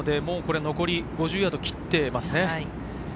残り５０ヤードを切っています。